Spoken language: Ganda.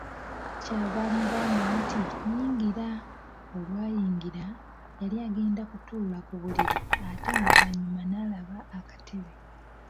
Kyava amugamba nti, “yingira.” Olwayingira, yali agenda okutuula ku buliri ate oluvannyuma n'alaba akatebe.